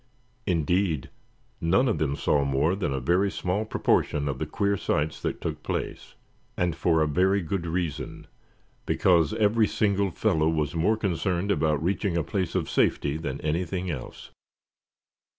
Indeed, none of them saw more than a very small proportion of the queer sights that took place, and for a very good reason; because every single fellow was more concerned about reaching a place of safety than anything else.